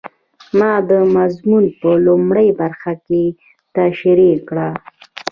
ما دا موضوع په لومړۍ برخه کې تشرېح کړه.